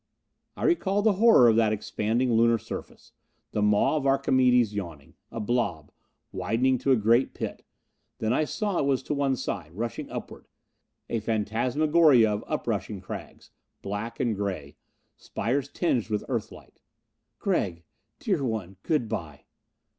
I recall the horror of that expanding Lunar surface. The maw of Archimedes yawning. A blob. Widening to a great pit. Then I saw it was to one side. Rushing upward. A phantasmagoria of uprushing crags. Black and gray. Spires tinged with Earth light. "Gregg, dear one good by."